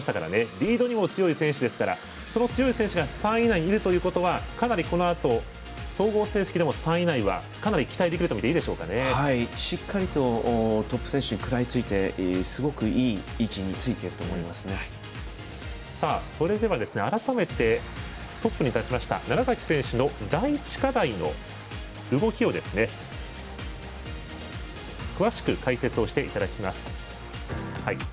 リードにも強い選手ですからその強い選手が３位以内にいるということはかなり、このあと総合成績でも３位以内は、かなり期待できるとしっかりとトップ選手に食らいついてすごくいい位置についているとそれでは、改めてトップに立ちました楢崎選手の第１課題の動きを詳しく解説していただきます。